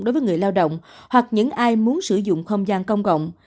đối với người lao động hoặc những ai muốn sử dụng không gian công cộng